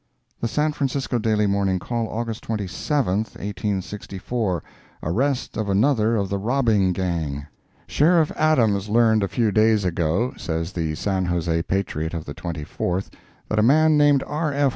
The San Francisco Daily Morning Call, August 27, 1864 ARREST OF ANOTHER OF THE ROBBING GANG Sheriff Adams learned a few days ago (says the San Jose Patriot, of the 24th,) that a man named R. F.